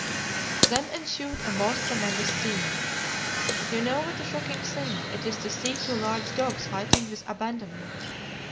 "Then ensued a most tremendous scene. You know what a shocking thing it is to see two large dogs fighting with abandonment.